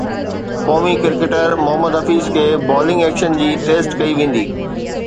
قومي ڪرڪيٽر محمد حفيظ جي bowling action جي ٽيسٽ ڪئي ويندي